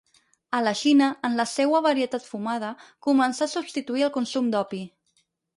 A la Xina, en la seua varietat fumada, començà a substituir el consum d'opi.